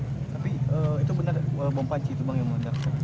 tapi itu benar bom panci itu bang yang meledak